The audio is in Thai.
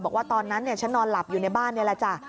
บอกว่าตอนนั้นฉันนอนหลับอยู่ในบ้านนี่แหละจ้ะ